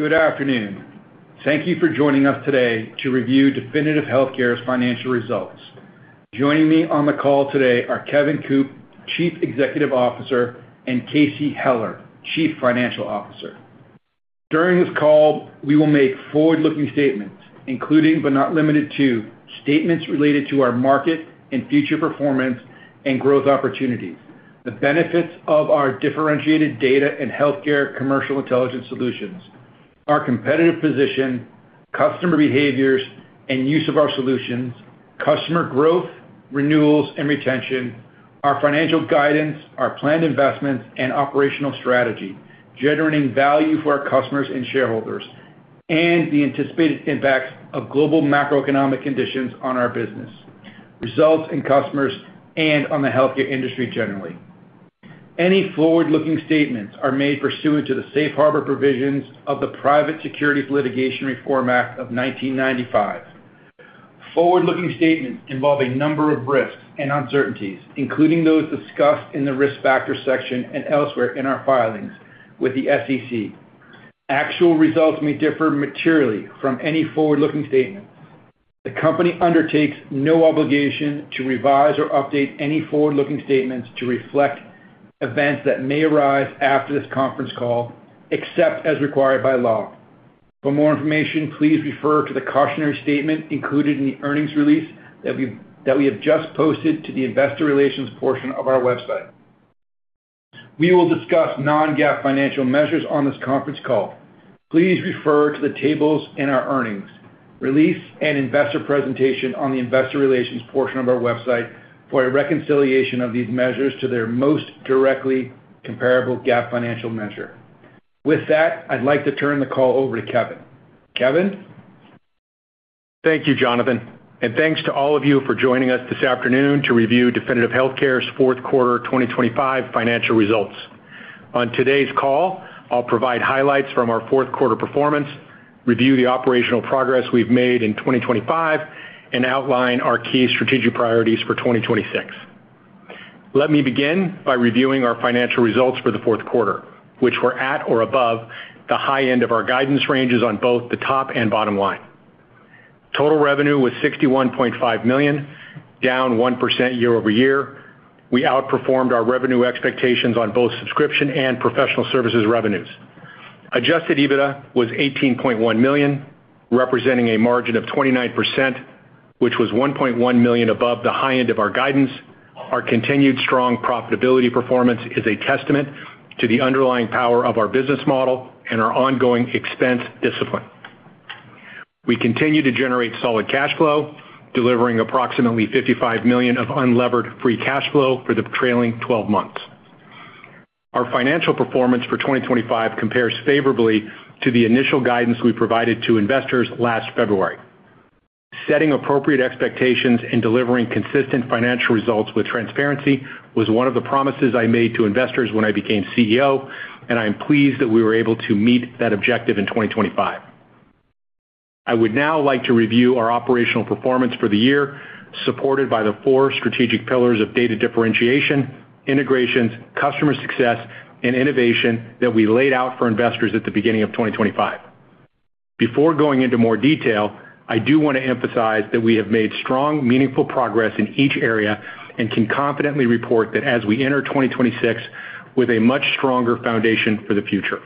Good afternoon. Thank you for joining us today to review Definitive Healthcare's financial results. Joining me on the call today are Kevin Coop, Chief Executive Officer, and Casey Heller, Chief Financial Officer. During this call, we will make forward-looking statements, including, but not limited to, statements related to our market and future performance and growth opportunities, the benefits of our differentiated data and healthcare commercial intelligence solutions, our competitive position, customer behaviors, and use of our solutions, customer growth, renewals, and retention, our financial guidance, our planned investments and operational strategy, generating value for our customers and shareholders, and the anticipated impacts of global macroeconomic conditions on our business, results in customers, and on the healthcare industry generally. Any forward-looking statements are made pursuant to the Safe Harbor Provisions of the Private Securities Litigation Reform Act of 1995. Forward-looking statements involve a number of risks and uncertainties, including those discussed in the Risk Factors section and elsewhere in our filings with the SEC. Actual results may differ materially from any forward-looking statement. The company undertakes no obligation to revise or update any forward-looking statements to reflect events that may arise after this conference call, except as required by law. For more information, please refer to the cautionary statement included in the earnings release that we have just posted to the investor relations portion of our website. We will discuss non-GAAP financial measures on this conference call. Please refer to the tables in our earnings release and investor presentation on the investor relations portion of our website for a reconciliation of these measures to their most directly comparable GAAP financial measure. With that, I'd like to turn the call over to Kevin. Kevin? Thank you, Jonathan, and thanks to all of you for joining us this afternoon to review Definitive Healthcare's fourth quarter 2025 financial results. On today's call, I'll provide highlights from our fourth quarter performance, review the operational progress we've made in 2025, and outline our key strategic priorities for 2026. Let me begin by reviewing our financial results for the fourth quarter, which were at or above the high end of our guidance ranges on both the top and bottom line. Total revenue was $61.5 million, down 1% year-over-year. We outperformed our revenue expectations on both subscription and professional services revenues. Adjusted EBITDA was $18.1 million, representing a margin of 29%, which was $1.1 million above the high end of our guidance. Our continued strong profitability performance is a testament to the underlying power of our business model and our ongoing expense discipline. We continue to generate solid cash flow, delivering approximately $55 million of Unlevered Free Cash Flow for the trailing 12 months. Our financial performance for 2025 compares favorably to the initial guidance we provided to investors last February. Setting appropriate expectations and delivering consistent financial results with transparency was one of the promises I made to investors when I became Chief Executive Officer. I am pleased that we were able to meet that objective in 2025. I would now like to review our operational performance for the year, supported by the four strategic pillars of data differentiation, integrations, customer success, and innovation that we laid out for investors at the beginning of 2025. Before going into more detail, I do want to emphasize that we have made strong, meaningful progress in each area and can confidently report that as we enter 2026 with a much stronger foundation for the future.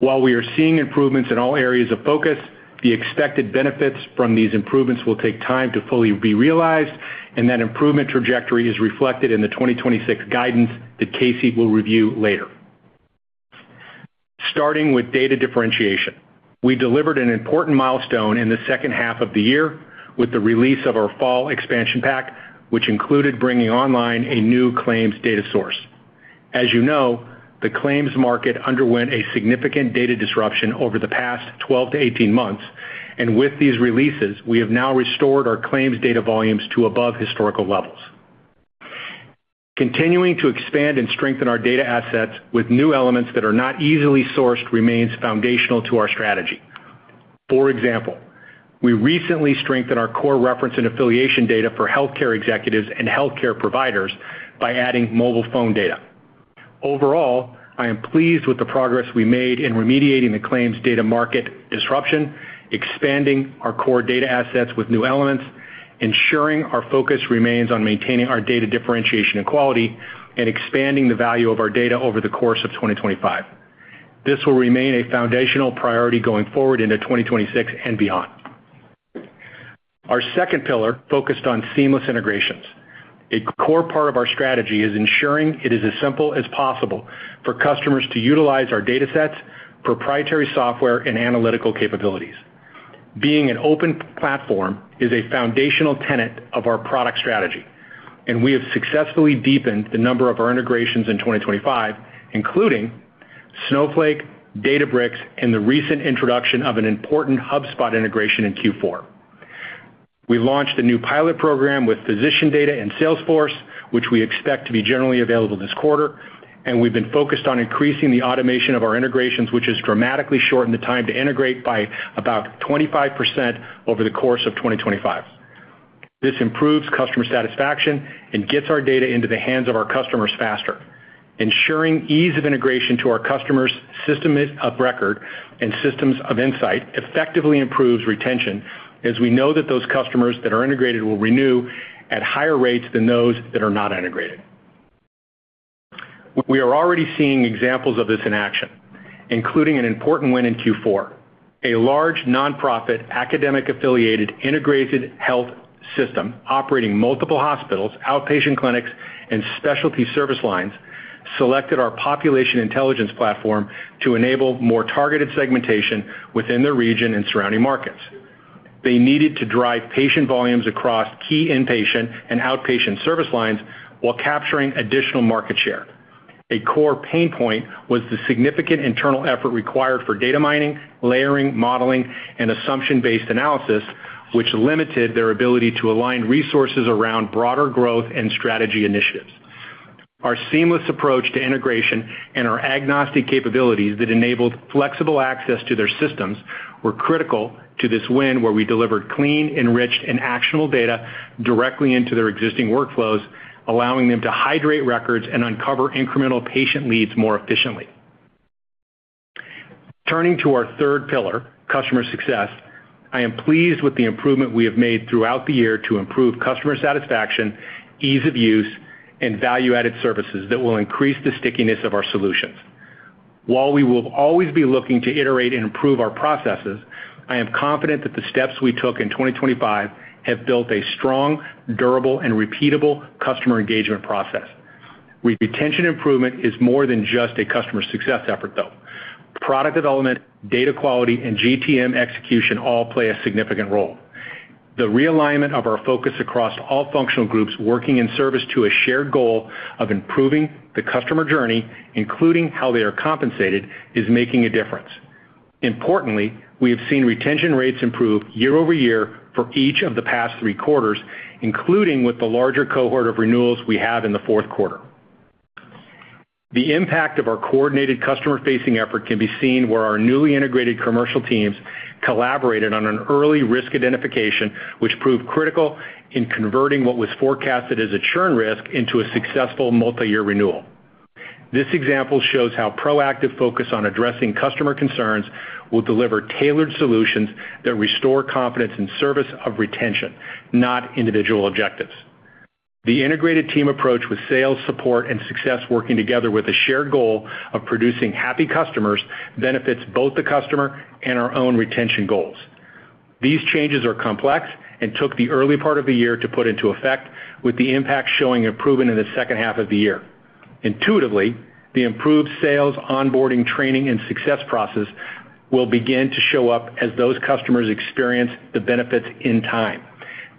While we are seeing improvements in all areas of focus, the expected benefits from these improvements will take time to fully be realized, and that improvement trajectory is reflected in the 2026 guidance that Casey will review later. Starting with data differentiation. We delivered an important milestone in the second half of the year with the release of our fall expansion pack, which included bringing online a new claims data source. As you know, the claims market underwent a significant data disruption over the past 12-18 months, and with these releases, we have now restored our claims data volumes to above historical levels. Continuing to expand and strengthen our data assets with new elements that are not easily sourced remains foundational to our strategy. We recently strengthened our core reference and affiliation data for healthcare executives and healthcare providers by adding mobile phone data. I am pleased with the progress we made in remediating the claims data market disruption, expanding our core data assets with new elements, ensuring our focus remains on maintaining our data differentiation and quality, and expanding the value of our data over the course of 2025. This will remain a foundational priority going forward into 2026 and beyond. Our second pillar focused on seamless integrations. A core part of our strategy is ensuring it is as simple as possible for customers to utilize our datasets, proprietary software, and analytical capabilities. Being an open platform is a foundational tenet of our product strategy, and we have successfully deepened the number of our integrations in 2025, including Snowflake, Databricks, and the recent introduction of an important HubSpot integration in Q4. We launched a new pilot program with PhysicianView and Salesforce, which we expect to be generally available this quarter, and we've been focused on increasing the automation of our integrations, which has dramatically shortened the time to integrate by about 25% over the course of 2025. This improves customer satisfaction and gets our data into the hands of our customers faster. Ensuring ease of integration to our customers system is of record and systems of insight effectively improves retention, as we know that those customers that are integrated will renew at higher rates than those that are not integrated. We are already seeing examples of this in action, including an important win in Q4. A large nonprofit, academic affiliated, integrated health system operating multiple hospitals, outpatient clinics, and specialty service lines selected our Population Intelligence platform to enable more targeted segmentation within the region and surrounding markets. They needed to drive patient volumes across key inpatient and outpatient service lines while capturing additional market share. A core pain point was the significant internal effort required for data mining, layering, modeling, and assumption-based analysis, which limited their ability to align resources around broader growth and strategy initiatives. Our seamless approach to integration and our agnostic capabilities that enabled flexible access to their systems were critical to this win, where we delivered clean, enriched, and actionable data directly into their existing workflows, allowing them to hydrate records and uncover incremental patient leads more efficiently. Turning to our third pillar, customer success, I am pleased with the improvement we have made throughout the year to improve customer satisfaction, ease of use, and value-added services that will increase the stickiness of our solutions. While we will always be looking to iterate and improve our processes, I am confident that the steps we took in 2025 have built a strong, durable, and repeatable customer engagement process. Retention improvement is more than just a customer success effort, though. Product development, data quality, and GTM execution all play a significant role. The realignment of our focus across all functional groups working in service to a shared goal of improving the customer journey, including how they are compensated, is making a difference. Importantly, we have seen retention rates improve year-over-year for each of the past 3 quarters, including with the larger cohort of renewals we have in the fourth quarter. The impact of our coordinated customer-facing effort can be seen where our newly integrated commercial teams collaborated on an early risk identification, which proved critical in converting what was forecasted as a churn risk into a successful multiyear renewal. This example shows how proactive focus on addressing customer concerns will deliver tailored solutions that restore confidence in service of retention, not individual objectives. The integrated team approach with sales, support, and success working together with a shared goal of producing happy customers benefits both the customer and our own retention goals. These changes are complex and took the early part of the year to put into effect, with the impact showing improvement in the second half of the year. Intuitively, the improved sales onboarding, training, and success process will begin to show up as those customers experience the benefits in time.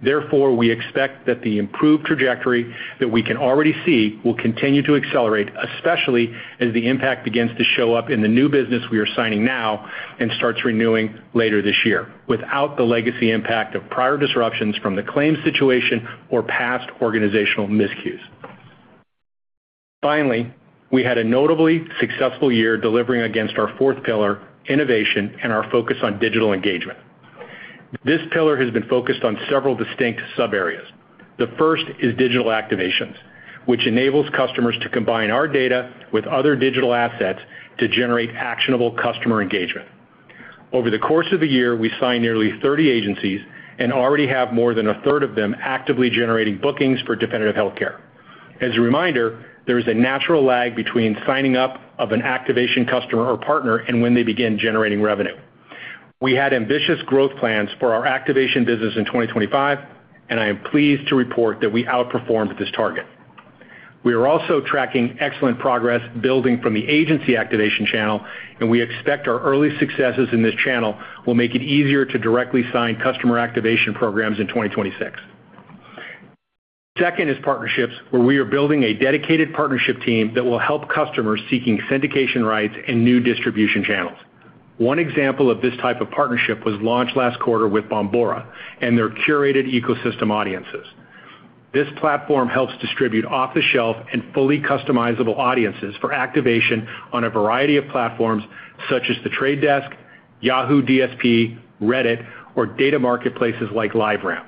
We expect that the improved trajectory that we can already see will continue to accelerate, especially as the impact begins to show up in the new business we are signing now and starts renewing later this year without the legacy impact of prior disruptions from the claims situation or past organizational miscues. We had a notably successful year delivering against our fourth pillar, innovation, and our focus on digital engagement. This pillar has been focused on several distinct sub areas. The first is digital activations, which enables customers to combine our data with other digital assets to generate actionable customer engagement. Over the course of the year, we signed nearly 30 agencies and already have more than a third of them actively generating bookings for Definitive Healthcare. As a reminder, there is a natural lag between signing up of an activation customer or partner and when they begin generating revenue. I am pleased to report that we outperformed this target. We are also tracking excellent progress building from the agency activation channel, and we expect our early successes in this channel will make it easier to directly sign customer activation programs in 2026. Second is partnerships, where we are building a dedicated partnership team that will help customers seeking syndication rights and new distribution channels. One example of this type of partnership was launched last quarter with Bombora and their curated ecosystem audiences. This platform helps distribute off-the-shelf and fully customizable audiences for activation on a variety of platforms such as The Trade Desk, Yahoo DSP, Reddit, or data marketplaces like LiveRamp.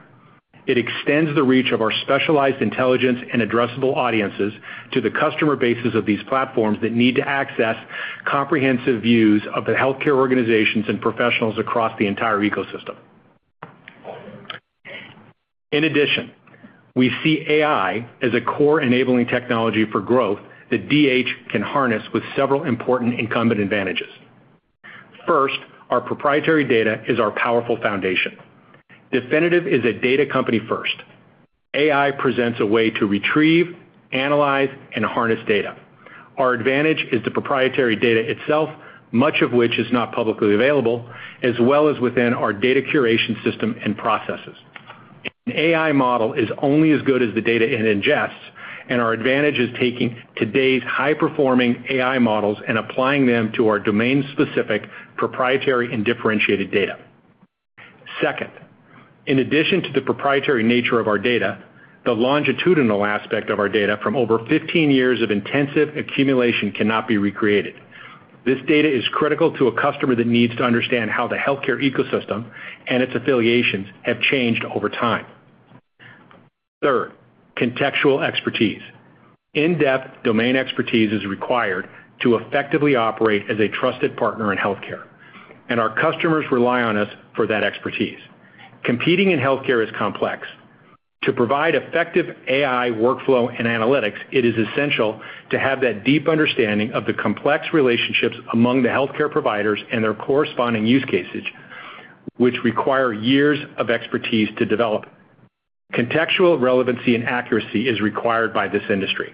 It extends the reach of our specialized intelligence and addressable audiences to the customer bases of these platforms that need to access comprehensive views of the healthcare organizations and professionals across the entire ecosystem. In addition, we see AI as a core enabling technology for growth that DH can harness with several important incumbent advantages. First, our proprietary data is our powerful foundation. Definitive is a data company first. AI presents a way to retrieve, analyze, and harness data. Our advantage is the proprietary data itself, much of which is not publicly available, as well as within our data curation system and processes. An AI model is only as good as the data it ingests. Our advantage is taking today's high-performing AI models and applying them to our domain-specific, proprietary, and differentiated data. Second, in addition to the proprietary nature of our data, the longitudinal aspect of our data from over 15 years of intensive accumulation cannot be recreated. This data is critical to a customer that needs to understand how the healthcare ecosystem and its affiliations have changed over time. Third, contextual expertise. In-depth domain expertise is required to effectively operate as a trusted partner in healthcare, and our customers rely on us for that expertise. Competing in healthcare is complex. To provide effective AI workflow and analytics, it is essential to have that deep understanding of the complex relationships among the healthcare providers and their corresponding use cases, which require years of expertise to develop. Contextual relevancy and accuracy is required by this industry.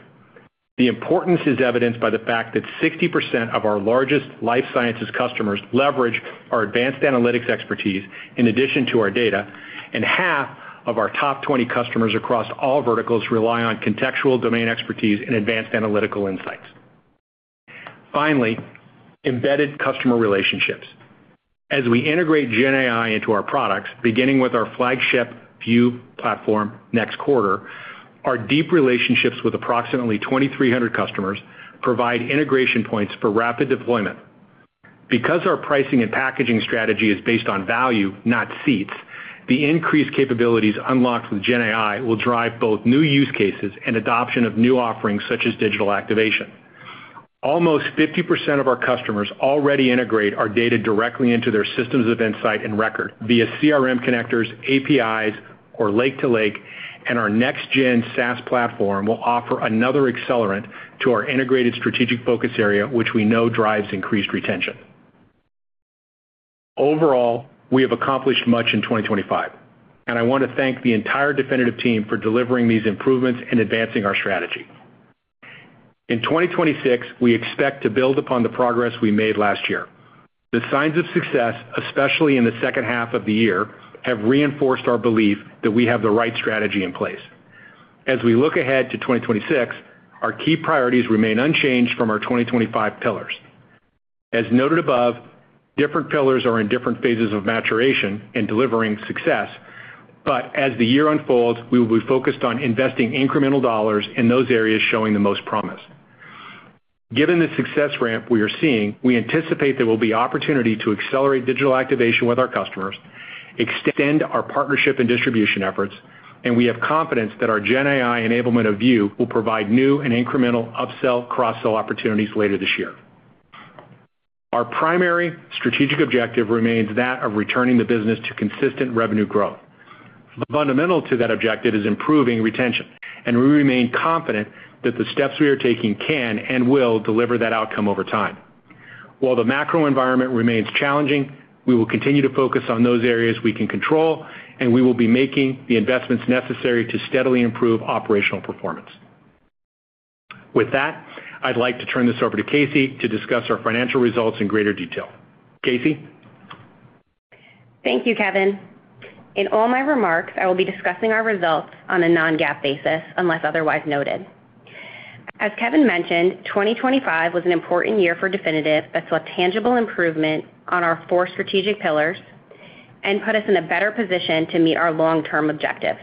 The importance is evidenced by the fact that 60% of our largest life sciences customers leverage our advanced analytics expertise in addition to our data, and half of our top 20 customers across all verticals rely on contextual domain expertise and advanced analytical insights. Finally, embedded customer relationships. As we integrate GenAI into our products, beginning with our flagship View platform next quarter, our deep relationships with approximately 2,300 customers provide integration points for rapid deployment. Because our pricing and packaging strategy is based on value, not seats, the increased capabilities unlocked with GenAI will drive both new use cases and adoption of new offerings such as digital activation. Almost 50% of our customers already integrate our data directly into their systems of insight and record via CRM connectors, APIs, or lake to lake. Our next gen SaaS platform will offer another accelerant to our integrated strategic focus area, which we know drives increased retention. Overall, we have accomplished much in 2025, and I want to thank the entire Definitive team for delivering these improvements and advancing our strategy. In 2026, we expect to build upon the progress we made last year. The signs of success, especially in the second half of the year, have reinforced our belief that we have the right strategy in place. As we look ahead to 2026, our key priorities remain unchanged from our 2025 pillars. As noted above, different pillars are in different phases of maturation in delivering success, but as the year unfolds, we will be focused on investing incremental dollars in those areas showing the most promise. Given the success ramp we are seeing, we anticipate there will be opportunity to accelerate digital activation with our customers, extend our partnership and distribution efforts, and we have confidence that our GenAI enablement of View will provide new and incremental upsell cross-sell opportunities later this year. Our primary strategic objective remains that of returning the business to consistent revenue growth. Fundamental to that objective is improving retention, and we remain confident that the steps we are taking can and will deliver that outcome over time. While the macro environment remains challenging, we will continue to focus on those areas we can control, and we will be making the investments necessary to steadily improve operational performance. With that, I'd like to turn this over to Casey to discuss our financial results in greater detail. Casey? Thank you, Kevin. In all my remarks, I will be discussing our results on a non-GAAP basis, unless otherwise noted. As Kevin mentioned, 2025 was an important year for Definitive that saw tangible improvement on our four strategic pillars and put us in a better position to meet our long-term objectives.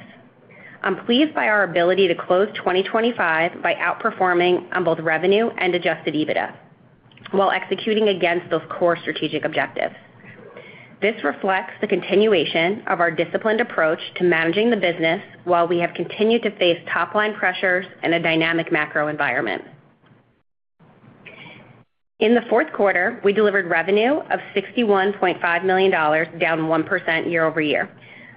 I'm pleased by our ability to close 2025 by outperforming on both revenue and Adjusted EBITDA, while executing against those core strategic objectives. This reflects the continuation of our disciplined approach to managing the business while we have continued to face top-line pressures in a dynamic macro environment. In the fourth quarter, we delivered revenue of $61.5 million, down 1% year-over-year.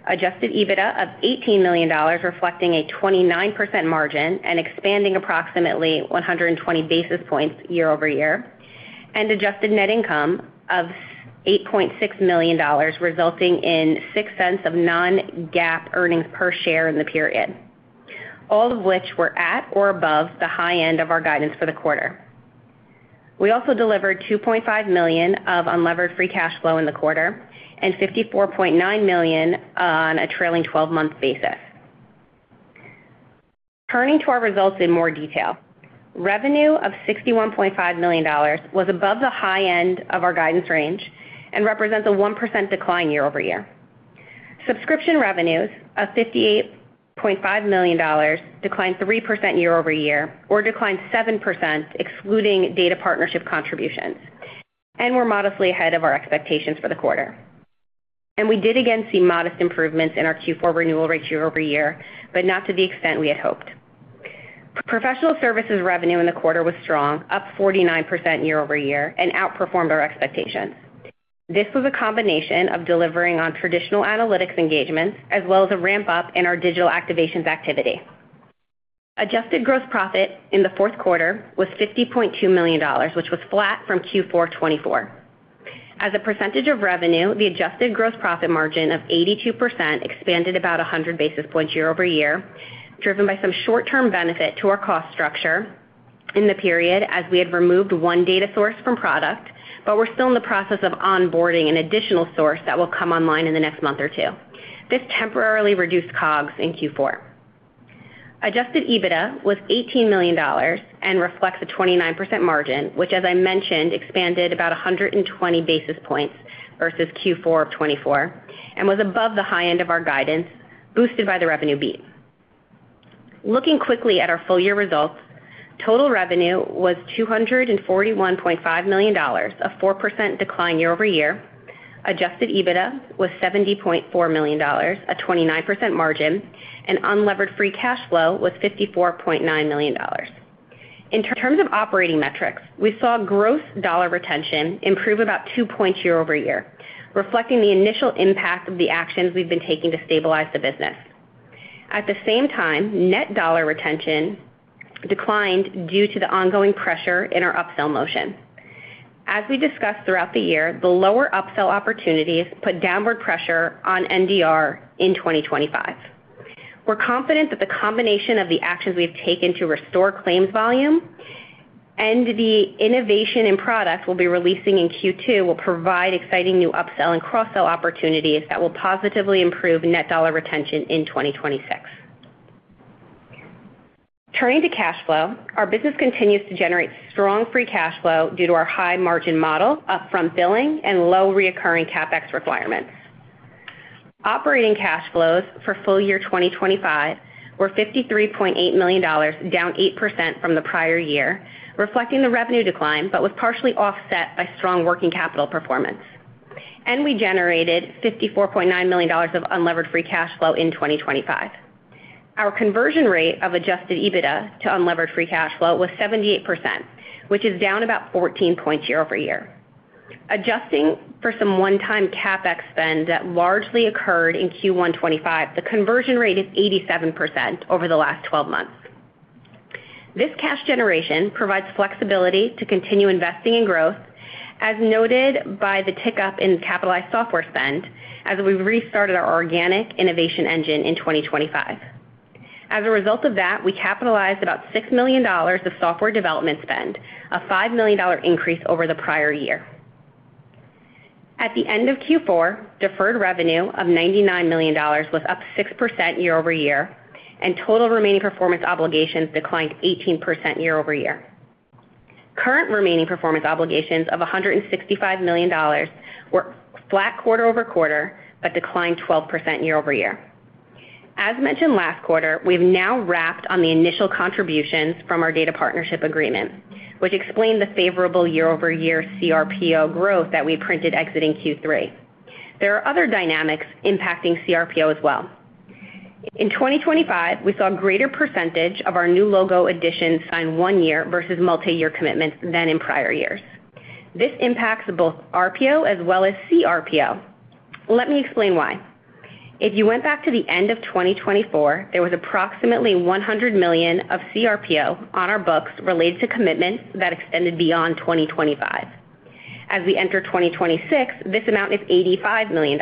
Adjusted EBITDA of $18 million, reflecting a 29% margin and expanding approximately 120 basis points year-over-year. Adjusted net income of $8.6 million, resulting in $0.06 of non-GAAP earnings per share in the period, all of which were at or above the high end of our guidance for the quarter. We also delivered $2.5 million of Unlevered Free Cash Flow in the quarter and $54.9 million on a trailing twelve-month basis. Turning to our results in more detail. Revenue of $61.5 million was above the high end of our guidance range and represents a 1% decline year-over-year. Subscription revenues of $58.5 million declined 3% year-over-year, or declined 7% excluding data partnership contributions, and were modestly ahead of our expectations for the quarter. We did again see modest improvements in our Q4 renewal rates year-over-year, but not to the extent we had hoped. Professional services revenue in the quarter was strong, up 49% year-over-year and outperformed our expectations. This was a combination of delivering on traditional analytics engagements as well as a ramp-up in our digital activations activity. Adjusted gross profit in the fourth quarter was $50.2 million, which was flat from Q4 2024. As a percentage of revenue, the adjusted gross profit margin of 82% expanded about 100 basis points year-over-year, driven by some short-term benefit to our cost structure in the period as we had removed one data source from product, we're still in the process of onboarding an additional source that will come online in the next month or two. This temporarily reduced COGS in Q4. Adjusted EBITDA was $18 million. Reflects a 29% margin, which, as I mentioned, expanded about 120 basis points versus Q4 of 2024 and was above the high end of our guidance, boosted by the revenue beat. Looking quickly at our full year results, total revenue was $241.5 million, a 4% decline year-over-year. Adjusted EBITDA was $70.4 million, a 29% margin. Unlevered free cash flow was $54.9 million. In terms of operating metrics, we saw gross dollar retention improve about 2 points year-over-year, reflecting the initial impact of the actions we've been taking to stabilize the business. The same time, net dollar retention declined due to the ongoing pressure in our upsell motion. As we discussed throughout the year, the lower upsell opportunities put downward pressure on NDR in 2025. We're confident that the combination of the actions we've taken to restore claims volume and the innovation in products we'll be releasing in Q2 will provide exciting new upsell and cross-sell opportunities that will positively improve net dollar retention in 2026. Turning to cash flow, our business continues to generate strong free cash flow due to our high margin model, upfront billing and low recurring CapEx requirements. Operating cash flows for full year 2025 were $53.8 million, down 8% from the prior year, reflecting the revenue decline, but was partially offset by strong working capital performance. We generated $54.9 million of unlevered free cash flow in 2025. Our conversion rate of Adjusted EBITDA to Unlevered Free Cash Flow was 78%, which is down about 14 points year-over-year. Adjusting for some one-time CapEx spend that largely occurred in Q1 2025, the conversion rate is 87% over the last 12 months. This cash generation provides flexibility to continue investing in growth, as noted by the tick up in capitalized software spend as we've restarted our organic innovation engine in 2025. As a result of that, we capitalized about $6 million of software development spend, a $5 million increase over the prior year. At the end of Q4, deferred revenue of $99 million was up 6% year-over-year. Total remaining performance obligations declined 18% year-over-year. Current remaining performance obligations of $165 million were flat quarter-over-quarter, declined 12% year-over-year. As mentioned last quarter, we've now wrapped on the initial contributions from our data partnership agreement, which explained the favorable year-over-year CRPO growth that we printed exiting Q3. There are other dynamics impacting CRPO as well. In 2025, we saw a greater percentage of our new logo additions sign one-year versus multiyear commitments than in prior years. This impacts both RPO as well as CRPO. Let me explain why. If you went back to the end of 2024, there was approximately $100 million of CRPO on our books related to commitments that extended beyond 2025. As we enter 2026, this amount is $85 million.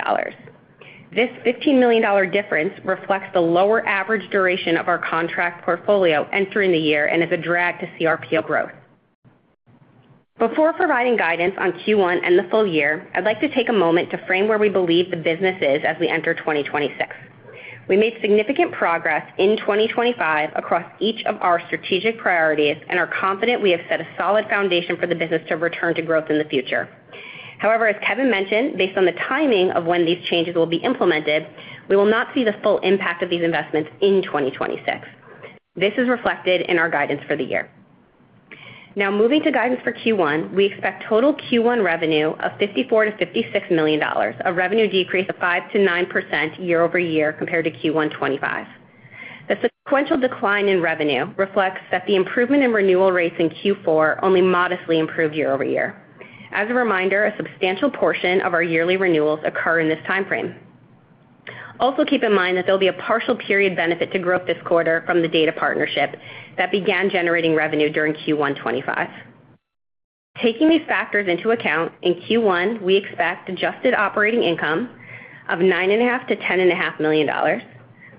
This $15 million difference reflects the lower average duration of our contract portfolio entering the year and is a drag to CRPO growth. Before providing guidance on Q1 and the full year, I'd like to take a moment to frame where we believe the business is as we enter 2026. We made significant progress in 2025 across each of our strategic priorities and are confident we have set a solid foundation for the business to return to growth in the future. However, as Kevin mentioned, based on the timing of when these changes will be implemented, we will not see the full impact of these investments in 2026. This is reflected in our guidance for the year. Moving to guidance for Q1, we expect total Q1 revenue of $54 million-$56 million, a revenue decrease of 5%-9% year-over-year compared to Q1 2025. The sequential decline in revenue reflects that the improvement in renewal rates in Q4 only modestly improved year-over-year. As a reminder, a substantial portion of our yearly renewals occur in this timeframe. Keep in mind that there'll be a partial period benefit to growth this quarter from the data partnership that began generating revenue during Q1 2025. Taking these factors into account, in Q1, we expect adjusted operating income of $9.5 million-$10.5 million,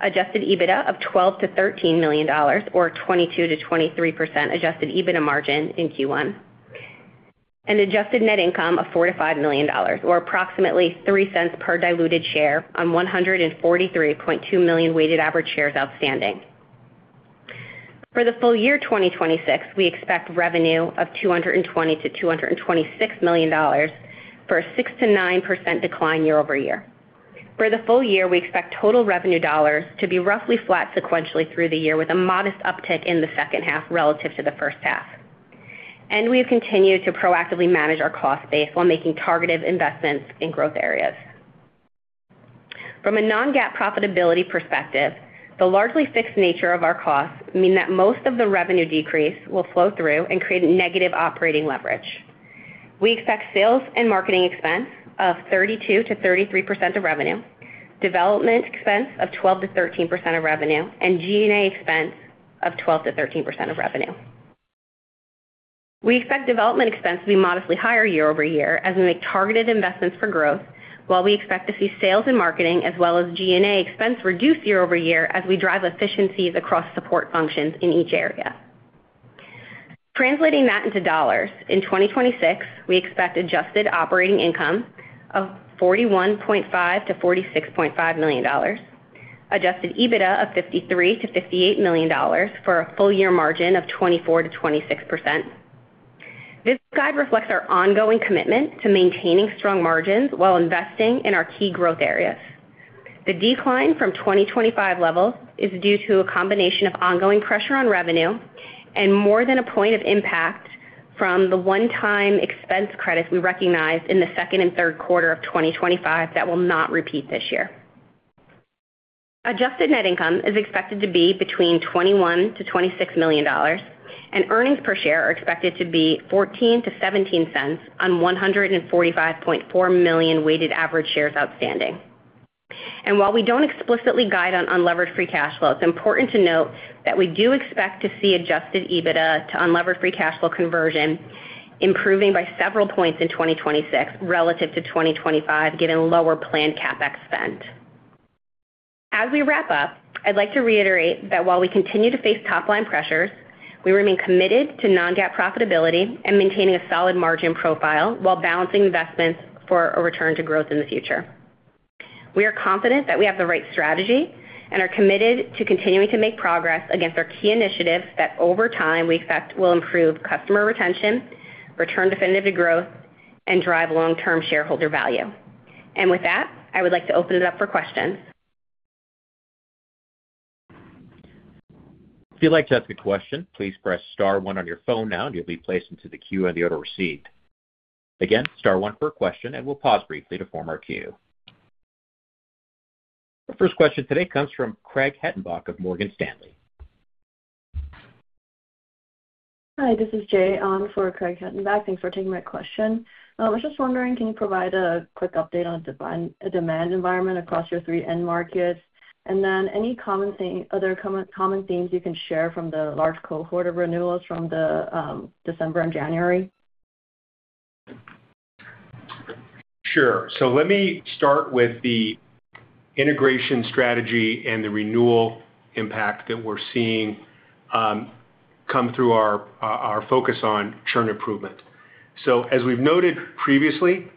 adjusted EBITDA of $12 million-$13 million or 22%-23% adjusted EBITDA margin in Q1, and adjusted net income of $4 million-$5 million or approximately $0.03 per diluted share on 143.2 million weighted average shares outstanding. For the full year 2026, we expect revenue of $220 million-$226 million for a 6%-9% decline year-over-year. For the full year, we expect total revenue dollars to be roughly flat sequentially through the year with a modest uptick in the second half relative to the first half. We have continued to proactively manage our cost base while making targeted investments in growth areas. From a non-GAAP profitability perspective, the largely fixed nature of our costs mean that most of the revenue decrease will flow through and create a negative operating leverage. We expect sales and marketing expense of 32%-33% of revenue, development expense of 12%-13% of revenue, and G&A expense of 12%-13% of revenue. We expect development expense to be modestly higher year-over-year as we make targeted investments for growth, while we expect to see sales and marketing as well as G&A expense reduce year-over-year as we drive efficiencies across support functions in each area. Translating that into dollars, in 2026, we expect adjusted operating income of $41.5 million-$46.5 million, adjusted EBITDA of $53 million-$58 million for a full year margin of 24%-26%. This guide reflects our ongoing commitment to maintaining strong margins while investing in our key growth areas. The decline from 2025 levels is due to a combination of ongoing pressure on revenue and more than a point of impact from the one-time expense credits we recognized in the second and third quarter of 2025 that will not repeat this year. Adjusted net income is expected to be between $21 million-$26 million, and earnings per share are expected to be $0.14-$0.17 on 145.4 million weighted average shares outstanding. While we don't explicitly guide on unlevered free cash flow, it's important to note that we do expect to see adjusted EBITDA to unlevered free cash flow conversion improving by several points in 2026 relative to 2025, given lower planned CapEx spend. As we wrap up, I'd like to reiterate that while we continue to face top-line pressures, we remain committed to non-GAAP profitability and maintaining a solid margin profile while balancing investments for a return to growth in the future. We are confident that we have the right strategy and are committed to continuing to make progress against our key initiatives that over time we expect will improve customer retention, return definitive growth, and drive long-term shareholder value. With that, I would like to open it up for questions. If you'd like to ask a question, please press star one on your phone now, and you'll be placed into the queue and the order received. Again, star one for a question, and we'll pause briefly to form our queue. The first question today comes from Craig Hettenbach of Morgan Stanley. Hi, this is Jay for Craig Hettenbach. Thanks for taking my question. I was just wondering, can you provide a quick update on demand environment across your three end markets? Any other common themes you can share from the large cohort of renewals from the December and January. Sure. Let me start with the integration strategy and the renewal impact that we're seeing, come through our focus on churn improvement. As we've noted previously,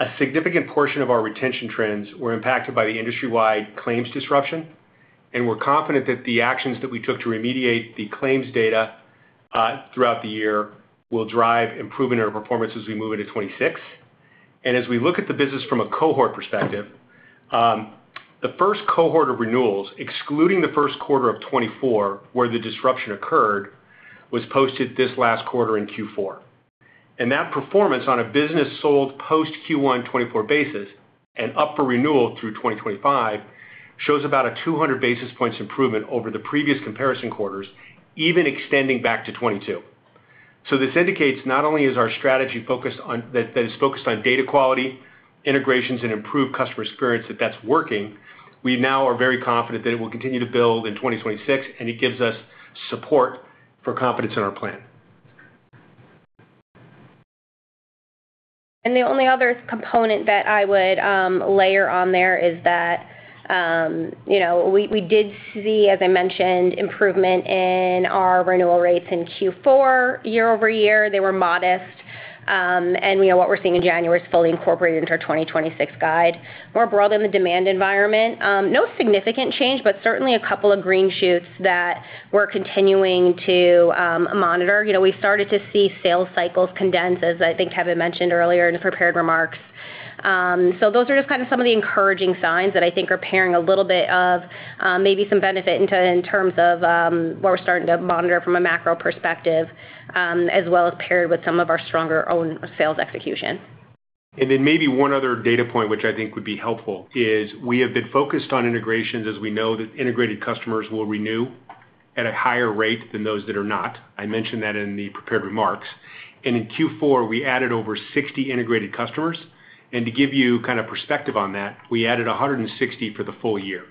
a significant portion of our retention trends were impacted by the industry-wide claims disruption, and we're confident that the actions that we took to remediate the claims data, throughout the year will drive improvement in our performance as we move into 2026. As we look at the business from a cohort perspective, the first cohort of renewals, excluding the first quarter of 2024, where the disruption occurred, was posted this last quarter in Q4. That performance on a business sold post Q1 2024 basis and up for renewal through 2025 shows about a 200 basis points improvement over the previous comparison quarters, even extending back to 2022. This indicates not only is our strategy focused on. That is focused on data quality, integrations, and improved customer experience that's working. We now are very confident that it will continue to build in 2026, and it gives us support for confidence in our plan. The only other component that I would layer on there is that, you know, we did see, as I mentioned, improvement in our renewal rates in Q4 year-over-year. They were modest. We know what we're seeing in January is fully incorporated into our 2026 guide. More broadly on the demand environment, no significant change, but certainly a couple of green shoots that we're continuing to monitor. You know, we started to see sales cycles condense, as I think Kevin mentioned earlier in the prepared remarks. Those are just kind of some of the encouraging signs that I think are pairing a little bit of maybe some benefit in terms of what we're starting to monitor from a macro perspective, as well as paired with some of our stronger own sales execution. Maybe one other data point which I think would be helpful is we have been focused on integrations as we know that integrated customers will renew at a higher rate than those that are not. I mentioned that in the prepared remarks. in Q4, we added over 60 integrated customers. to give you kind of perspective on that, we added 160 for the full year.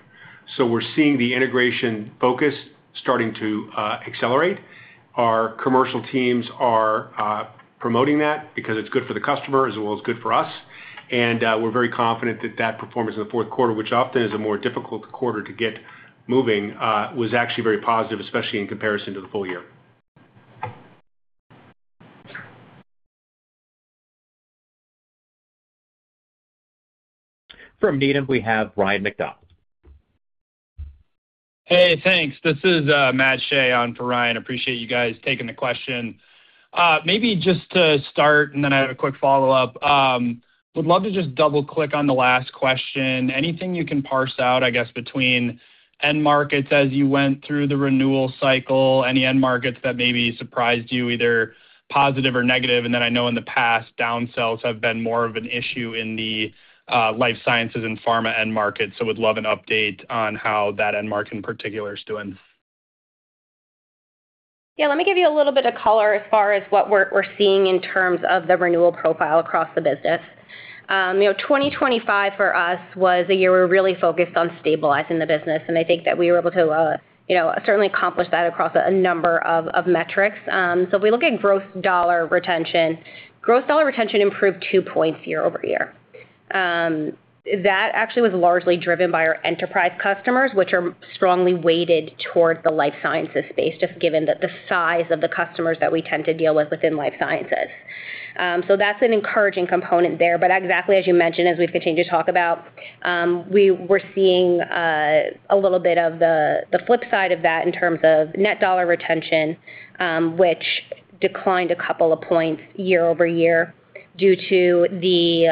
we're seeing the integration focus starting to accelerate. Our commercial teams are promoting that because it's good for the customer as well as good for us. we're very confident that that performance in the fourth quarter, which often is a more difficult quarter to get moving, was actually very positive, especially in comparison to the full year. From Needham, we have Ryan MacDonald. Hey, thanks. This is Matt Shea on for Ryan. Appreciate you guys taking the question. Maybe just to start, and then I have a quick follow-up. Would love to just double-click on the last question. Anything you can parse out, I guess, between end markets as you went through the renewal cycle, any end markets that maybe surprised you, either positive or negative? I know in the past, downsells have been more of an issue in the life sciences and pharma end markets. Would love an update on how that end market in particular is doing. Yeah, let me give you a little bit of color as far as what we're seeing in terms of the renewal profile across the business. You know, 2025 for us was a year we're really focused on stabilizing the business. I think that we were able to, you know, certainly accomplish that across a number of metrics. If we look at gross dollar retention, gross dollar retention improved 2 points year-over-year. That actually was largely driven by our enterprise customers, which are strongly weighted towards the life sciences space, just given that the size of the customers that we tend to deal with within life sciences. That's an encouraging component there. Exactly as you mentioned, as we continue to talk about, we're seeing a little bit of the flip side of that in terms of net dollar retention, which declined a couple of points year-over-year due to the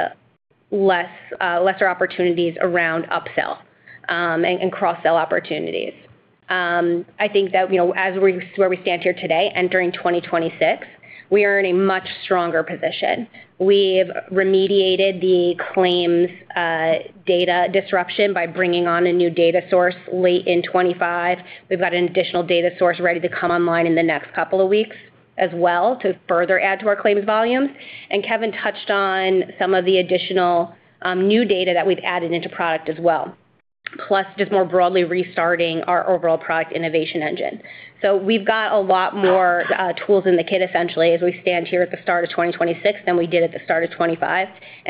less, lesser opportunities around upsell and cross-sell opportunities. I think that, you know, as we where we stand here today and during 2026, we are in a much stronger position. We've remediated the claims data disruption by bringing on a new data source late in 2025. We've got an additional data source ready to come online in the next couple of weeks as well to further add to our claims volumes. Kevin touched on some of the additional new data that we've added into product as well, plus just more broadly restarting our overall product innovation engine. We've got a lot more tools in the kit, essentially, as we stand here at the start of 2026 than we did at the start of 2025.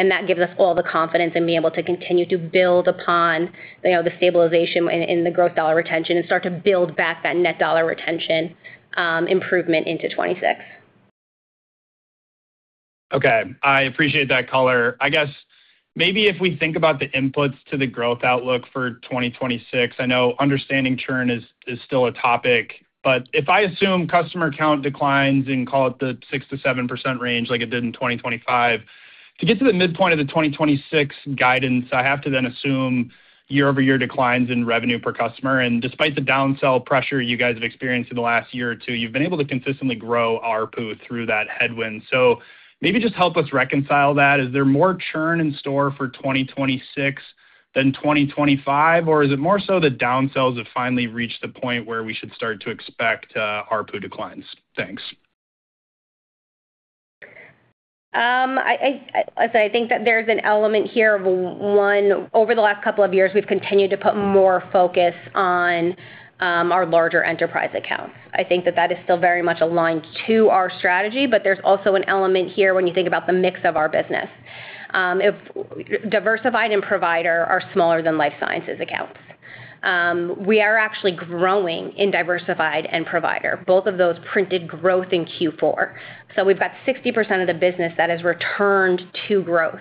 That gives us all the confidence in being able to continue to build upon, you know, the stabilization and the gross dollar retention and start to build back that net dollar retention improvement into 2026. Okay. I appreciate that color. I guess maybe if we think about the inputs to the growth outlook for 2026, I know understanding churn is still a topic. If I assume customer count declines and call it the 6%-7% range like it did in 2025, to get to the midpoint of the 2026 guidance, I have to then assume year-over-year declines in revenue per customer. Despite the down-sell pressure you guys have experienced in the last year or two, you've been able to consistently grow ARPU through that headwind. Maybe just help us reconcile that. Is there more churn in store for 2026 than 2025, or is it more so the downsells have finally reached the point where we should start to expect ARPU declines? Thanks. I'd say I think that there's an element here of, one, over the last couple of years, we've continued to put more focus on our larger enterprise accounts. I think that that is still very much aligned to our strategy, but there's also an element here when you think about the mix of our business. Diversified and provider are smaller than life sciences accounts. We are actually growing in diversified and provider. Both of those printed growth in Q4. We've got 60% of the business that has returned to growth,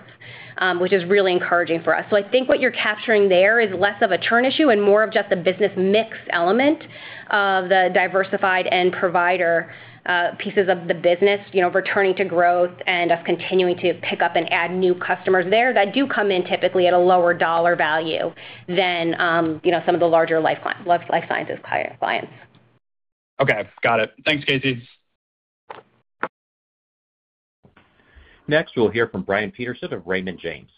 which is really encouraging for us. I think what you're capturing there is less of a churn issue and more of just a business mix element of the diversified and provider pieces of the business, you know, returning to growth and us continuing to pick up and add new customers there that do come in typically at a lower dollar value than, you know, some of the larger life sciences clients. Okay. Got it. Thanks, Casey. Next, we'll hear from Brian Peterson of Raymond James.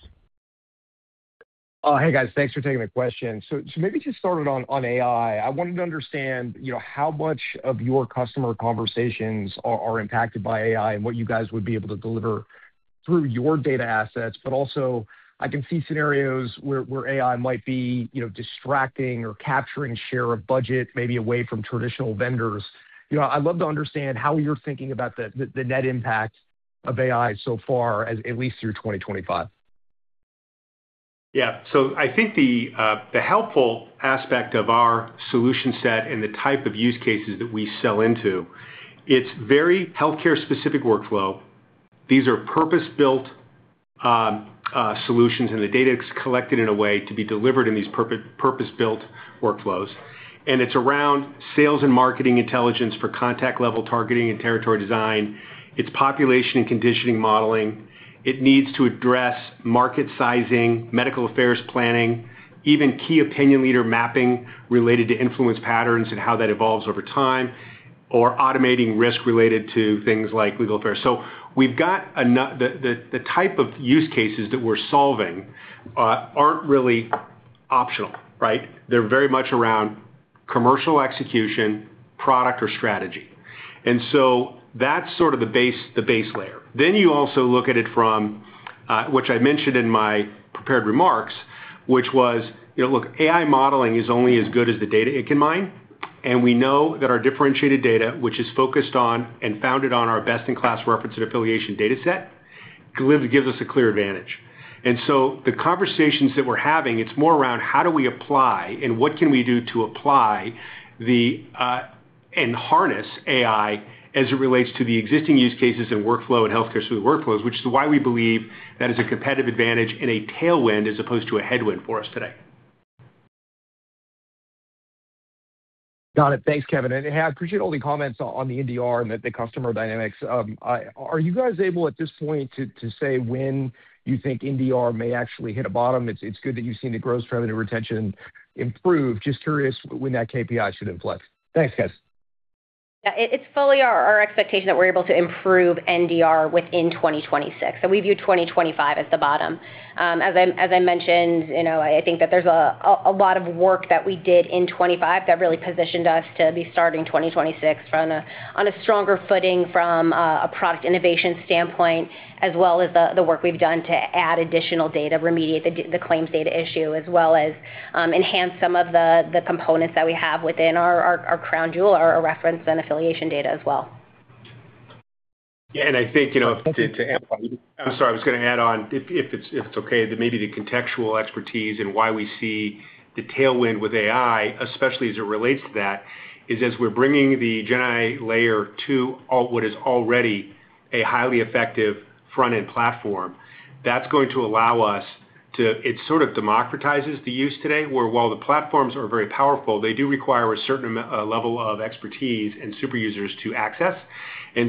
Oh, hey, guys. Thanks for taking the question. Maybe just start it on AI. I wanted to understand, you know, how much of your customer conversations are impacted by AI and what you guys would be able to deliver through your data assets, but also I can see scenarios where AI might be, you know, distracting or capturing share of budget, maybe away from traditional vendors. You know, I'd love to understand how you're thinking about the net impact of AI so far as at least through 2025. Yeah. I think the helpful aspect of our solution set and the type of use cases that we sell into, it's very healthcare specific workflow. These are purpose-built solutions, and the data is collected in a way to be delivered in these purpose-built workflows. It's around sales and marketing intelligence for contact level targeting and territory design. It's population and conditioning modeling. It needs to address market sizing, medical affairs planning, even key opinion leader mapping related to influence patterns and how that evolves over time, or automating risk related to things like legal affairs. We've got the type of use cases that we're solving aren't really optional, right? They're very much around commercial execution, product or strategy. That's sort of the base layer. You also look at it from, which I mentioned in my prepared remarks, which was, you know, look, AI modeling is only as good as the data it can mine. We know that our differentiated data, which is focused on and founded on our best-in-class reference and affiliation data set, gives us a clear advantage. The conversations that we're having, it's more around how do we apply and what can we do to apply the and harness AI as it relates to the existing use cases and workflow and healthcare suite workflows, which is why we believe that is a competitive advantage and a tailwind as opposed to a headwind for us today. Got it. Thanks, Kevin. I appreciate all the comments on the NDR and the customer dynamics. Are you guys able at this point to say when you think NDR may actually hit a bottom? It's good that you've seen the gross revenue retention improve. Just curious when that KPI should influx. Thanks, guys. Yeah. It's fully our expectation that we're able to improve NDR within 2026. We view 2025 as the bottom. As I mentioned, you know, I think that there's a lot of work that we did in 2025 that really positioned us to be starting 2026 on a stronger footing from a product innovation standpoint, as well as the work we've done to add additional data, remediate the claims data issue, as well as enhance some of the components that we have within our crown jewel, our reference and affiliation data as well. Yeah. I think, you know, I'm sorry, I was gonna add on if it's okay, maybe the contextual expertise and why we see the tailwind with AI, especially as it relates to that, is as we're bringing the GenAI layer to what is already a highly effective front-end platform, that's going to allow it sort of democratizes the use today, where while the platforms are very powerful, they do require a certain level of expertise and super users to access.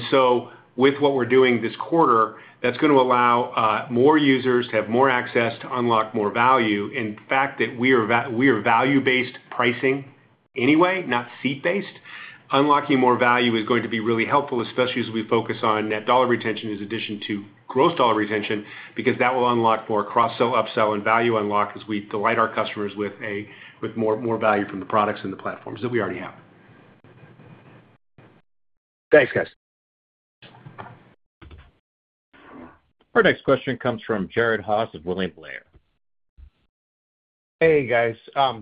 So with what we're doing this quarter, that's gonna allow more users to have more access to unlock more value. In fact, that we are value-based pricing anyway, not seat-based. Unlocking more value is going to be really helpful, especially as we focus on net dollar retention as addition to gross dollar retention, because that will unlock more cross-sell, upsell and value unlock as we delight our customers with more value from the products and the platforms that we already have. Thanks, guys. Our next question comes from Jared Haase of William Blair. Hey, guys.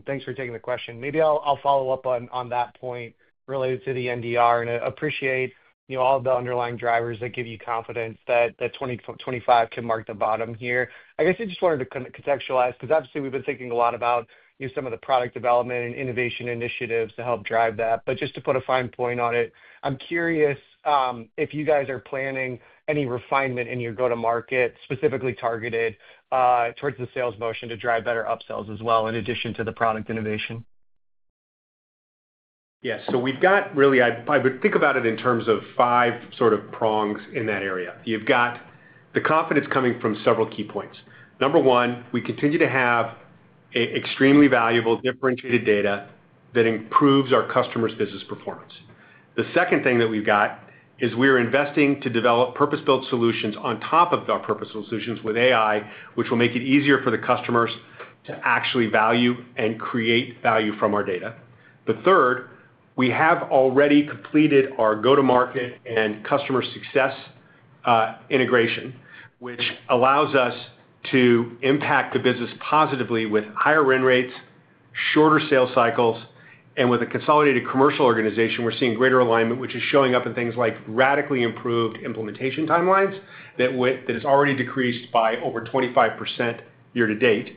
Thanks for taking the question. Maybe I'll follow up on that point related to the NDR and appreciate, you know, all the underlying drivers that give you confidence that 2025 can mark the bottom here. I guess I just wanted to contextualize, 'cause obviously we've been thinking a lot about, you know, some of the product development and innovation initiatives to help drive that. Just to put a fine point on it, I'm curious if you guys are planning any refinement in your go-to-market, specifically targeted towards the sales motion to drive better upsells as well in addition to the product innovation. Yes. We've got really I would think about it in terms of five sort of prongs in that area. You've got the confidence coming from several key points. Number one, we continue to have extremely valuable differentiated data that improves our customers' business performance. The second thing that we've got is we're investing to develop purpose-built solutions on top of our purpose solutions with AI, which will make it easier for the customers to actually value and create value from our data. The third, we have already completed our go-to-market and customer success integration, which allows us to impact the business positively with higher retention rates, shorter sales cycles, and with a consolidated commercial organization, we're seeing greater alignment, which is showing up in things like radically improved implementation timelines that has already decreased by over 25% year to date.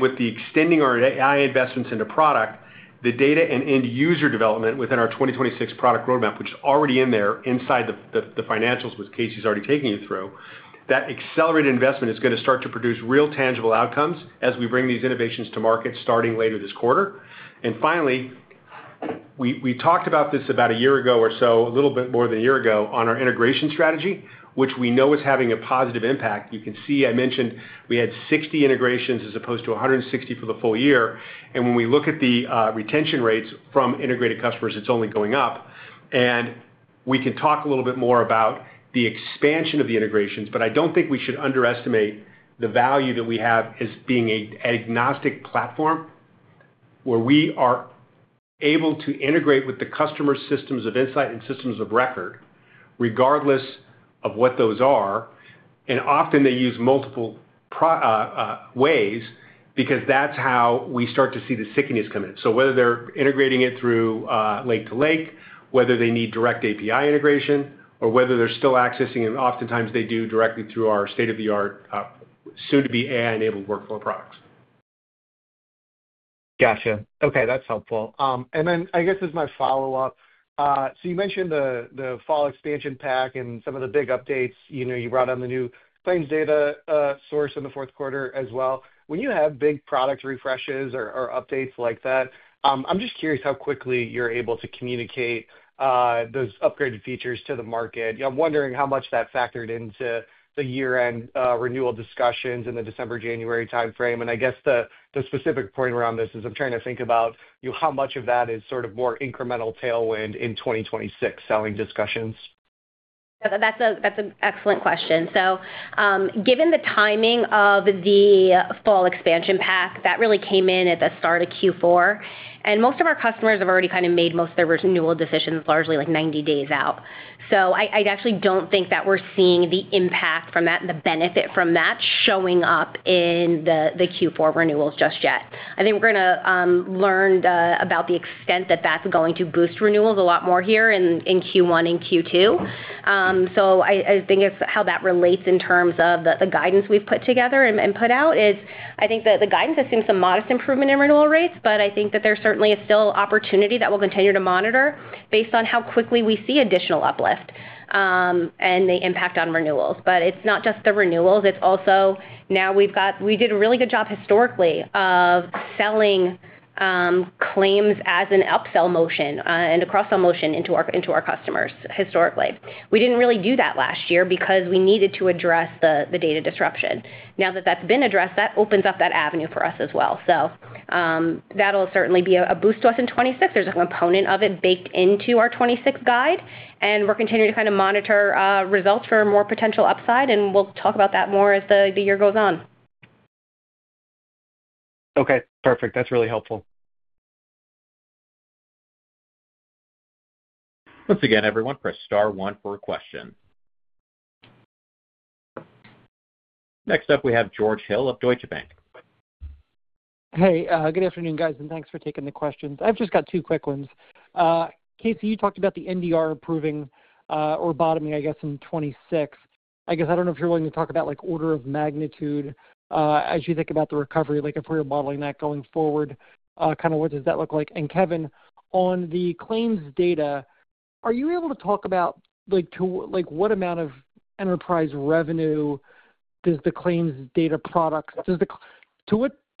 With the extending our AI investments into product, the data and end user development within our 2026 product roadmap, which is already in there inside the financials, which Casey's already taken you through, that accelerated investment is gonna start to produce real tangible outcomes as we bring these innovations to market starting later this quarter. Finally, we talked about this about a year ago or so, a little bit more than a year ago, on our integration strategy, which we know is having a positive impact. You can see I mentioned we had 60 integrations as opposed to 160 for the full year. When we look at the retention rates from integrated customers, it's only going up. We can talk a little bit more about the expansion of the integrations, but I don't think we should underestimate the value that we have as being a, an agnostic platform where we are able to integrate with the customer's systems of insight and systems of record, regardless of what those are. Often they use multiple ways because that's how we start to see the stickiness come in. Whether they're integrating it through, lake to lake, whether they need direct API integration or whether they're still accessing, and oftentimes they do directly through our state-of-the-art, soon to be AI-enabled workflow products. Gotcha. Okay, that's helpful. I guess as my follow-up, you mentioned the fall expansion pack and some of the big updates. You know, you brought on the new claims data source in the fourth quarter as well. When you have big product refreshes or updates like that, I'm just curious how quickly you're able to communicate those upgraded features to the market. You know, I'm wondering how much that factored into the year-end renewal discussions in the December-January timeframe. I guess the specific point around this is I'm trying to think about, you know, how much of that is sort of more incremental tailwind in 2026 selling discussions. That's an excellent question. Given the timing of the fall expansion pack, that really came in at the start of Q4, and most of our customers have already kind of made most of their renewal decisions, largely like 90 days out. I actually don't think that we're seeing the impact from that and the benefit from that showing up in the Q4 renewals just yet. I think we're gonna learn about the extent that that's going to boost renewals a lot more here in Q1 and Q2. I think as how that relates in terms of the guidance we've put together and put out is I think that the guidance has seen some modest improvement in renewal rates. I think that there certainly is still opportunity that we'll continue to monitor based on how quickly we see additional uplift and the impact on renewals. It's not just the renewals, it's also now we did a really good job historically of selling claims as an upsell motion and a cross-sell motion into our, into our customers historically. We didn't really do that last year because we needed to address the data disruption. Now that that's been addressed, that opens up that avenue for us as well. That'll certainly be a boost to us in 2026. There's a component of it baked into our 26 guide, and we're continuing to kind of monitor, results for more potential upside, and we'll talk about that more as the year goes on. Okay, perfect. That's really helpful. Once again, everyone press star one for a question. Next up, we have George Hill of Deutsche Bank. Hey, good afternoon, guys, thanks for taking the questions. I've just got two quick ones. Casey, you talked about the NDR improving, or bottoming, I guess, in 26. I guess I don't know if you're willing to talk about like order of magnitude, as you think about the recovery, like if we're modeling that going forward, kind of what does that look like? Kevin, on the claims data Are you able to talk about like, what amount of enterprise revenue does the claims data product...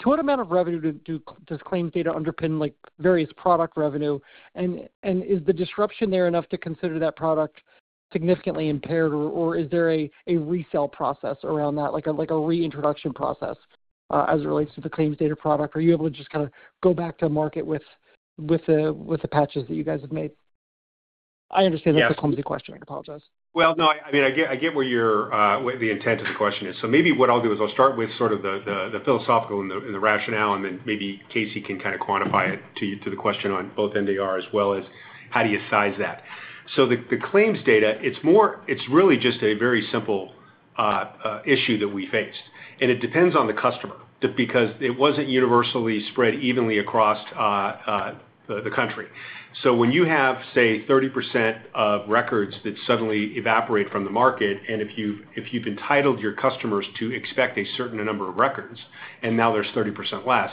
To what amount of revenue does claims data underpin like various product revenue? Is the disruption there enough to consider that product significantly impaired or is there a resell process around that, like a reintroduction process as it relates to the claims data product? Are you able to just kinda go back to market with the patches that you guys have made? I understand- Yes. That's a clumsy question. I apologize. Well, no, I mean, I get, I get where you're where the intent of the question is. Maybe what I'll do is I'll start with sort of the philosophical and the rationale, and then maybe Casey can kinda quantify it to the question on both NDR as well as how do you size that. The claims data, it's more. it's really just a very simple issue that we faced. It depends on the customer because it wasn't universally spread evenly across the country. When you have, say, 30% of records that suddenly evaporate from the market, and if you've entitled your customers to expect a certain number of records and now there's 30% less,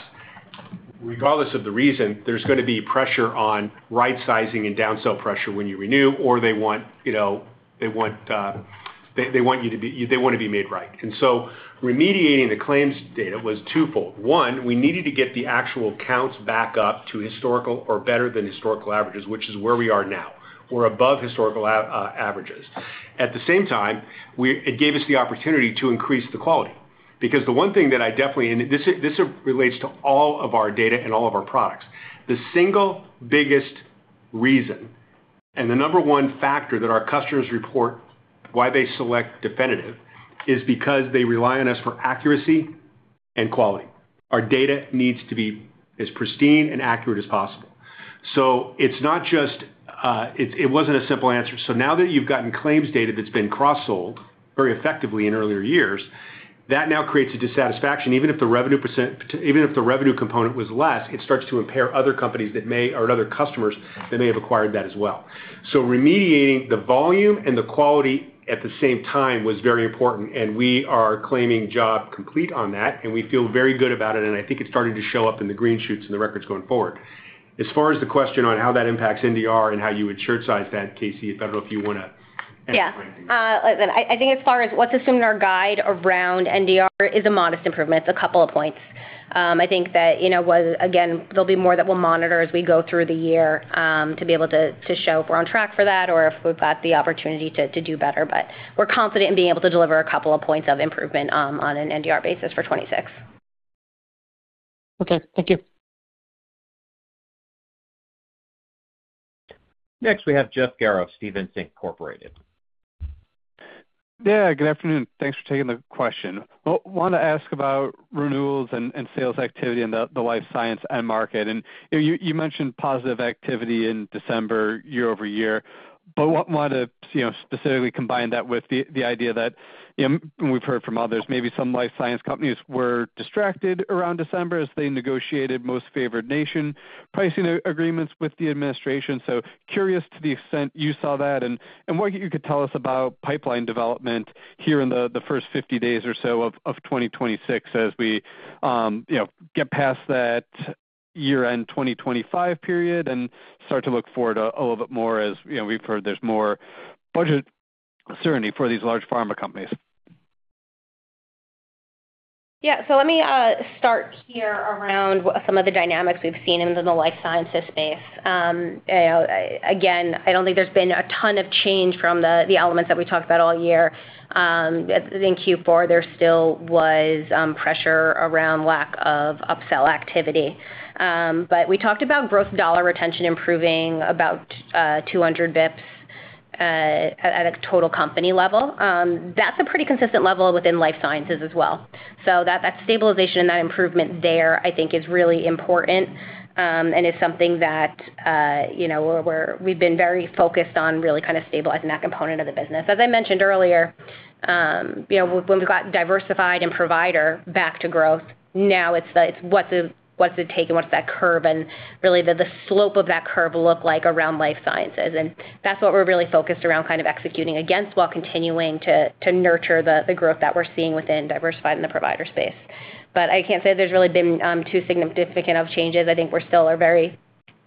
regardless of the reason, there's gonna be pressure on right sizing and down sell pressure when you renew or they want, you know, they want, they want you to be. They wanna be made right. Remediating the claims data was twofold. One, we needed to get the actual counts back up to historical or better than historical averages, which is where we are now. We're above historical averages. At the same time, we. It gave us the opportunity to increase the quality. Because the one thing that I definitely. This relates to all of our data and all of our products. The single biggest reason and the number one factor that our customers report why they select Definitive is because they rely on us for accuracy and quality. Our data needs to be as pristine and accurate as possible. It wasn't a simple answer. Now that you've gotten claims data that's been cross-sold very effectively in earlier years, that now creates a dissatisfaction. Even if the revenue component was less, it starts to impair other customers that may have acquired that as well. Remediating the volume and the quality at the same time was very important, and we are claiming job complete on that, and we feel very good about it, and I think it's starting to show up in the green shoots and the records going forward. As far as the question on how that impacts NDR and how you wanna shirt size that, Casey, I don't know if you wanna add to anything? Yeah. I think as far as what's assumed in our guide around NDR is a modest improvement. It's a couple of points. I think that, you know, well, again, there'll be more that we'll monitor as we go through the year, to be able to show if we're on track for that or if we've got the opportunity to do better, but we're confident in being able to deliver a couple of points of improvement, on an NDR basis for 2026. Okay. Thank you. Next, we have Jeff Garro, Stephens Inc. Yeah, good afternoon. Thanks for taking the question. Well, want to ask about renewals and sales activity in the life science end market. You mentioned positive activity in December year-over-year, but want to, you know, specifically combine that with the idea that, you know, we've heard from others, maybe some life science companies were distracted around December as they negotiated most favored nation pricing agreements with the administration. Curious to the extent you saw that and what you could tell us about pipeline development here in the first 50 days or so of 2026 as we, you know, get past that year-end 2025 period and start to look forward a little bit more as, you know, we've heard there's more budget certainty for these large pharma companies. Yeah. Let me start here around some of the dynamics we've seen in the life sciences space. Again, I don't think there's been a ton of change from the elements that we talked about all year. In Q4, there still was pressure around lack of upsell activity. We talked about gross dollar retention improving about 200 BPS at a total company level. That's a pretty consistent level within life sciences as well. That, that stabilization and that improvement there, I think is really important, and is something that, you know, we've been very focused on really kinda stabilizing that component of the business. As I mentioned earlier, you know, when we got diversified and provider back to growth, now it's like, it's what's it take and what's that curve, and really the slope of that curve look like around life sciences. That's what we're really focused around kind of executing against, while continuing to nurture the growth that we're seeing within diversified and the provider space. I can't say there's really been too significant of changes. I think we're still are very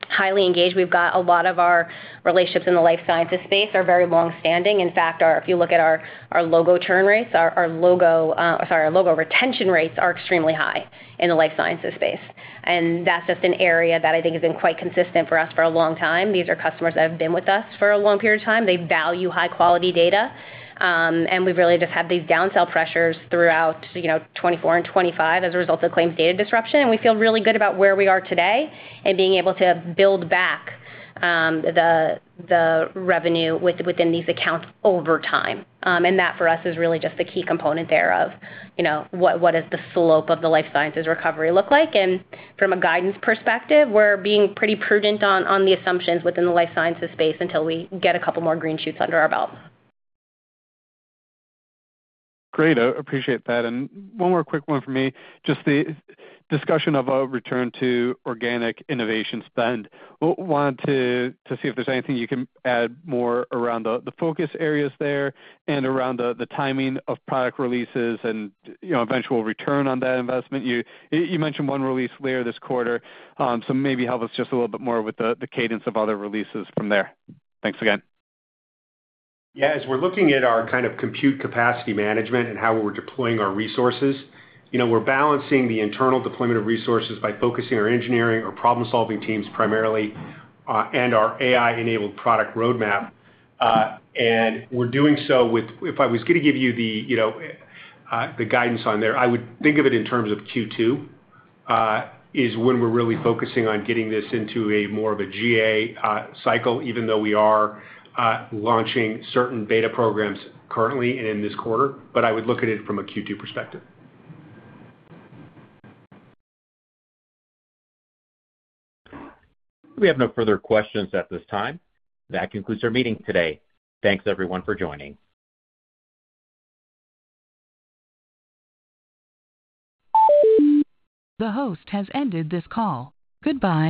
highly engaged. We've got a lot of our relationships in the life sciences space are very long-standing. In fact, if you look at our logo churn rates, our logo, or sorry, our logo retention rates are extremely high in the life sciences space. That's just an area that I think has been quite consistent for us for a long time. These are customers that have been with us for a long period of time. They value high-quality data. We've really just had these down-sell pressures throughout, you know, 2024 and 2025 as a result of claims data disruption. We feel really good about where we are today and being able to build back the revenue within these accounts over time. That for us is really just the key component there of, you know, what is the slope of the life sciences recovery look like. From a guidance perspective, we're being pretty prudent on the assumptions within the life sciences space until we get a couple more green shoots under our belt. Great. I appreciate that. One more quick one from me. Just the discussion of a return to organic innovation spend. wanted to see if there's anything you can add more around the focus areas there and around the timing of product releases and, you know, eventual return on that investment? You, you mentioned one release later this quarter. Maybe help us just a little bit more with the cadence of other releases from there? Thanks again. As we're looking at our kind of compute capacity management and how we're deploying our resources, you know, we're balancing the internal deployment of resources by focusing our engineering, our problem-solving teams primarily, and our AI-enabled product roadmap. And we're doing so. If I was gonna give you know, the guidance on there, I would think of it in terms of Q2, is when we're really focusing on getting this into a more of a GA cycle, even though we are launching certain beta programs currently in this quarter. I would look at it from a Q2 perspective. We have no further questions at this time. That concludes our meeting today. Thanks, everyone, for joining.